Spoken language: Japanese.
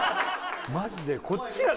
マジでこっちが。